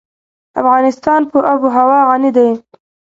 افغانستان په آب وهوا غني دی.